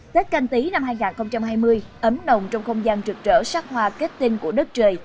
tết canh tí năm hai nghìn hai mươi ấm nồng trong không gian trực trở sắc hoa kết tinh của đất trời